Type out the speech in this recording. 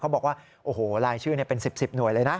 บอกว่าโอ้โหรายชื่อเป็น๑๐หน่วยเลยนะ